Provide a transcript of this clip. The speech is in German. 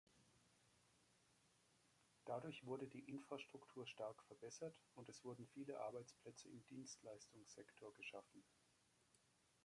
Dadurch wurde die Infrastruktur stark verbessert, und es wurden viele Arbeitsplätze im Dienstleistungssektor geschaffen.